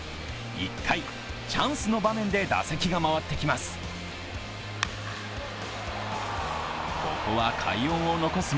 １回、チャンスの場面で打席が回ってきます。